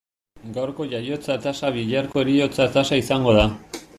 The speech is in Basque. Gaurko jaiotza tasa biharko heriotza tasa izango da.